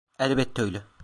Elbette öyle.